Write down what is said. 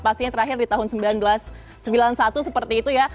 pastinya terakhir di tahun seribu sembilan ratus sembilan puluh satu seperti itu ya